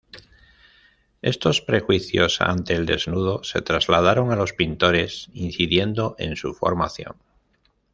Estos prejuicios ante el desnudo se trasladaron a los pintores incidiendo en su formación.